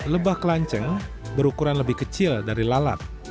lebah kelanceng berukuran lebih kecil dari lalat